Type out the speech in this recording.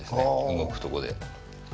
動くとこで。